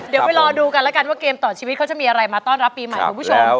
เดี๋ยวไปรอดูกันแล้วกันว่าเกมต่อชีวิตเขาจะมีอะไรมาต้อนรับปีใหม่คุณผู้ชม